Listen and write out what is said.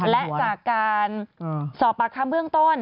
และจากการสอบปากคำเบื้องต้น